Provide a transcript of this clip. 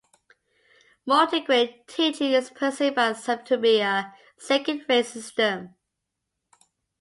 Multigrade teaching is perceived by some to be a "second-rate" system.